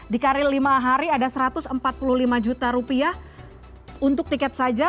dikali lima hari ada rp satu ratus empat puluh lima untuk tiket saja